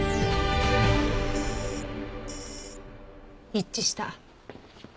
一致した。